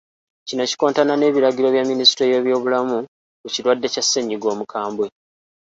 Kino kikontana n’ebiragiro bya Minisitule y’ebyobulamu ku kirwadde kya ssennyiga omukambwe.